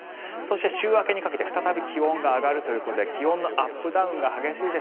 週明けにかけて再び気温が上がるということで気温のアップダウンが激しいです